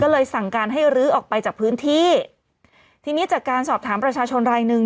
ก็เลยสั่งการให้รื้อออกไปจากพื้นที่ทีนี้จากการสอบถามประชาชนรายหนึ่ง